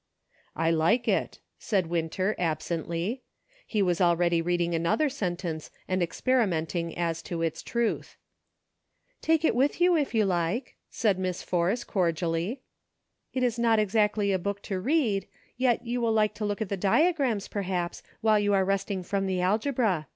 " I like it," said Winter, absently; he was already reading another sentence and experimenting as to its ^ruth. " Take it with you if you like," said Miss Force, cordially. " It is not exactly a book to read, yet you will like to look at the diagrams, perhaps, while you are resting from the algebra.